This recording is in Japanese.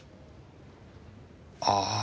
ああ。